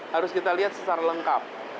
harus kita lihat secara lengkap